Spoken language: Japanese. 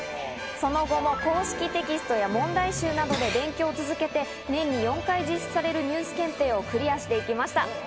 その後も公式テキストや問題集などで勉強を続けて、年に４回実施されるニュース検定をクリアしていきました。